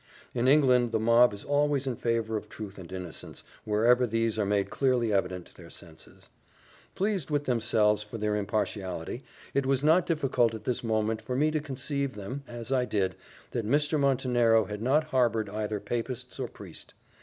In England the mob is always in favour of truth and innocence, wherever these are made clearly evident to their senses. Pleased with themselves for their impartiality, it was not difficult at this moment for me to convince them, as I did, that Mr. Montenero had not harboured either papists or priest.